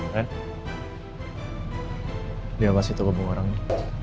ren dia pasti tuh kebung orangnya